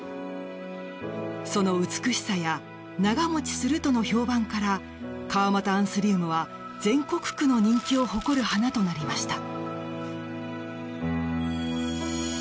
その美しさや長持ちするとの評判からかわまたアンスリウムは全国区の人気を誇る花となりました。